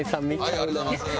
ありがとうございます。